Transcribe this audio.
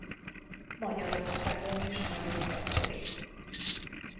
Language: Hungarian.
Magyarországon is nagyon gyakori.